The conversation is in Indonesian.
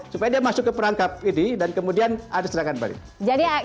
supaya dia masuk ke perangkap ini dan kemudian ada serangan balik